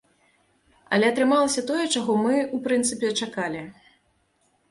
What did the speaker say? Але атрымалася тое, чаго мы, у прынцыпе, чакалі.